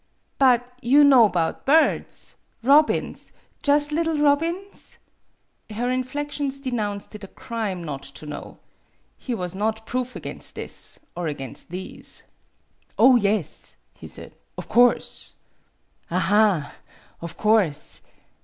'"Bw/you know 'bout birds robins jus' liddle robins ?" Her inflections denounced it a crime not to know. He was not proof against this, or against these. "Oh, yes," he said; "of course." "Aha! Of course.